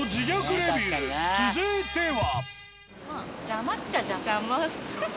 続いては。